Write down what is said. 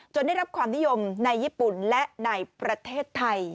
ได้รับความนิยมในญี่ปุ่นและในประเทศไทย